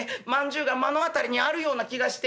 饅頭が目の当たりにあるような気がして」。